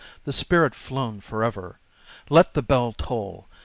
the spirit flown forever! Let the bell toll!